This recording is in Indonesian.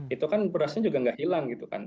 itu kan berasnya juga nggak hilang gitu kan